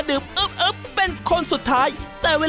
ธนยกสุดท้ายแล้ว